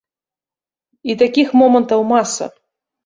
І такіх момантаў маса.